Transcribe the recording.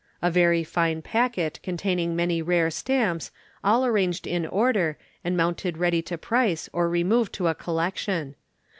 A very fine packet, containing many rare stamps, all arranged in order, and mounted ready to price or remove to a collection.